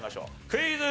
クイズ。